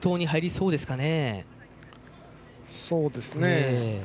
そうですね。